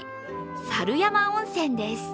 サル山温泉です。